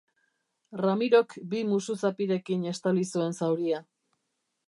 Ramirok bi musuzapirekin estali zuen zauria.